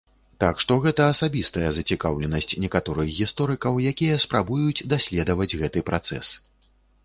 Так што гэта асабістая зацікаўленасць некаторых гісторыкаў, якія спрабуюць даследаваць гэты працэс.